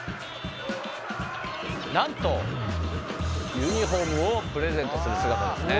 なんとユニホームをプレゼントする姿ですね。